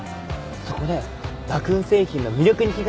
そこでラクーン製品の魅力に気が付いて。